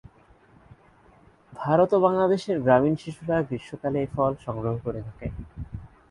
ভারত ও বাংলাদেশের গ্রামীণ শিশুরা গ্রীষ্মকালে এ ফল সংগ্রহ করে থাকে।